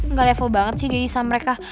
nggak level banget sih jadi sama mereka